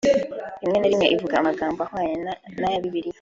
rimwe na rimwe ivuga amagambo ahwana n’aya Bibiliya